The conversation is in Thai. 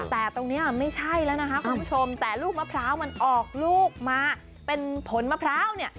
แต่ตรงนี้ไม่ใช่แล้วนะคะคุณผู้ชมแต่ลูกมะพร้าวมันออกลูกมาเป็นผลมะพร้าวเนี่ย